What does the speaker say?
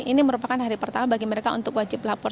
ini merupakan hari pertama bagi mereka untuk wajib lapor